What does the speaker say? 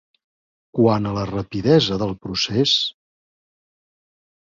Quant a la rapidesa del procés...